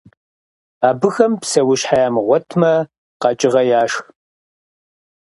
Абыхэм псэущхьэ ямыгъуэтмэ, къэкӏыгъэ яшх.